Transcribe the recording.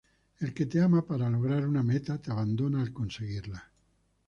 El que te ama para lograr una meta, te abandona al conseguirla.